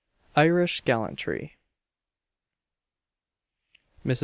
IRISH GALLANTRY. Mrs.